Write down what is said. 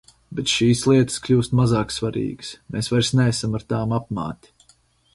Bet šīs lietas kļūst mazāk svarīgas, mēs vairs neesam ar tām apmāti.